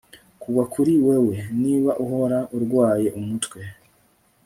kugwa kuri wewe, niba uhora urwaye umutwe